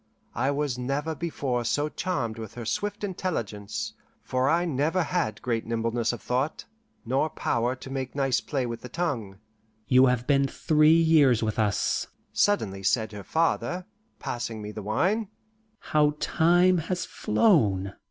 I was never before so charmed with her swift intelligence, for I never had great nimbleness of thought, nor power to make nice play with the tongue. "You have been three years with us," suddenly said her father, passing me the wine. "How time has flown!